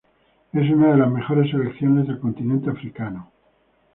Es una de las mejores selecciones del continente Africano.